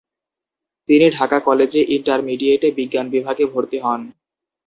তিনি ঢাকা কলেজে ইন্টারমিডিয়েটে বিজ্ঞান বিভাগে ভর্তি হন।